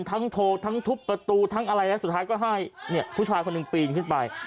ทั้งโทรทั้งทุบประตูทั้งอะไรแล้วสุดท้ายก็ให้เนี่ยผู้ชายคนหนึ่งปีนขึ้นไป